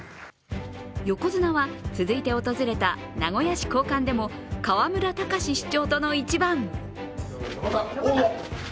横綱は続いて訪れた名古屋市公館でも河村たかし市長との一番。